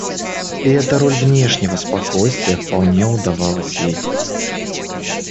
И эта роль внешнего спокойствия вполне удавалась ей.